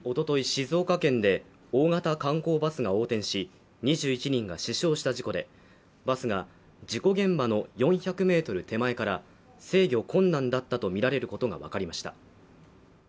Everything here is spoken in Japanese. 静岡県で大型観光バスが横転し２１人が死傷した事故でバスが事故現場の４００ｍ手前から制御困難だったと見られることが分かりました